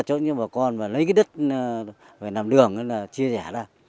cho những bà con và lấy cái đất phải làm đường là chia rẻ ra